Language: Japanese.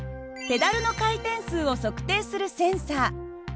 ペダルの回転数を測定するセンサー。